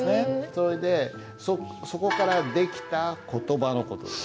それでそこから出来た言葉の事です。